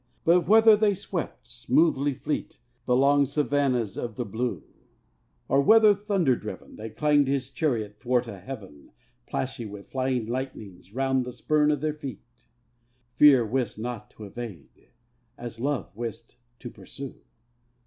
But whether they swept, smoothly fleet, The long savannahs of the blue; Or whether, Thunder driven, They clanged his chariot 'thwart a heaven Plashy with flying lightnings round the spurn o' their feet: Fear wist not to evade as Love wist to pursue.